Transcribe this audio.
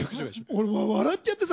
俺笑っちゃってさ。